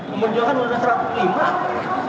memperjuangkan udah satu ratus lima